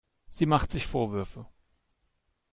Sie macht sich Vorwürfe.